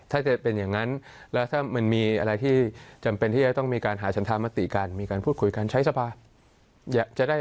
ถ้าจะเป็นอย่างนั้นแล้วถ้ามันมีอะไรที่จำเป็นที่จะต้องมีการหาฉันธรรมติกันมีการพูดคุยกันใช้สภา